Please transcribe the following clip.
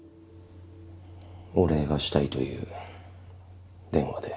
お礼がしたいという電話で。